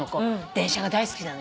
電車が大好きなの。